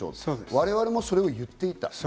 我々もそれを言っていた。